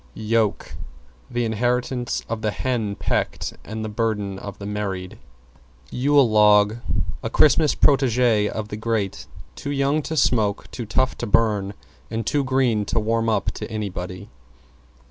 =YOKE= The inheritance of the hen pecked and the burden of the married. =YULE LOG= A Christmas protege of the grate, too young to smoke, too tough to burn and too green to warm up to anybody.